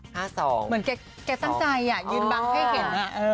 เหมือนแกตั้งใจยืนบังให้เห็น